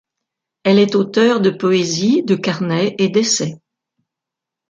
Elle est auteur de poésie, de carnets, et d'essais.